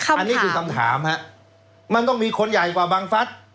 อันนี้คือคำถามฮะมันต้องมีคนใหญ่กว่าบังฟัฐ